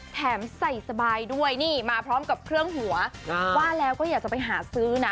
ใส่สบายด้วยนี่มาพร้อมกับเครื่องหัวว่าแล้วก็อยากจะไปหาซื้อนะ